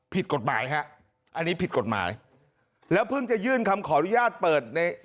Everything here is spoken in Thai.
ผิดกฎหมายฮะอันนี้ผิดกฎหมายแล้วเพิ่งจะยื่นคำขออนุญาตเปิดใน